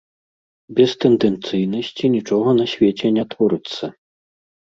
Без тэндэнцыйнасці нічога на свеце не творыцца.